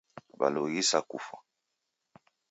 W'alughisa kufwa